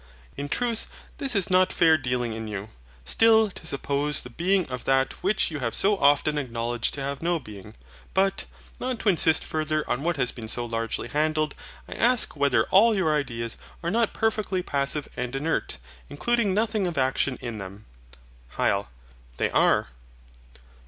In truth this is not fair dealing in you, still to suppose the being of that which you have so often acknowledged to have no being. But, not to insist farther on what has been so largely handled, I ask whether all your ideas are not perfectly passive and inert, including nothing of action in them. HYL. They are.